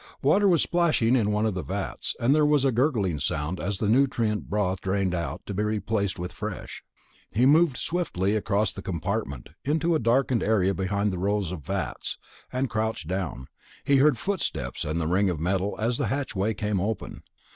Water was splashing in one of the vats, and there was a gurgling sound as nutrient broth drained out, to be replaced with fresh. He moved swiftly across the compartment, into a darkened area behind the rows of vats, and crouched down. He heard footsteps, and the ring of metal as the hatchway came open.